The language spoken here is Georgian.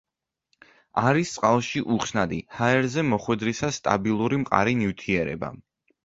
არის წყალში უხსნადი, ჰაერზე მოხვედრისას სტაბილური მყარი ნივთიერება.